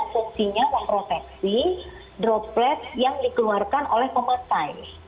itu adalah fungsinya memproteksi droplet yang dikeluarkan oleh pemakai